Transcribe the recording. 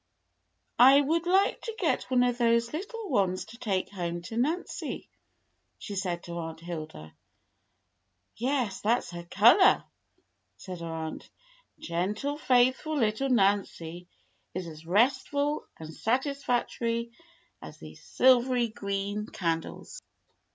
"I would like to get one of those little ones to take home to Nancy," she said to Aunt Hilda. "Yes, that's her color," said her aunt; "gentle, faithful little Nancy is as restful and satisfactory as these silvery green candles."